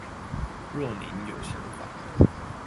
若您有想法